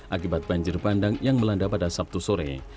akibat banjir bandang yang melanda pada sabtu sore